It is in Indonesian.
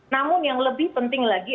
namun yang lebih penting lagi